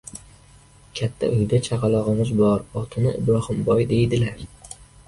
— Katta, uyda chaqalog‘imiz bor, otini Ibrohimboy deydilar.